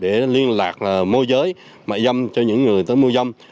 để liên lạc là môi giới mại dâm cho những người tới mua dâm